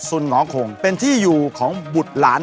หงอขงเป็นที่อยู่ของบุตรหลาน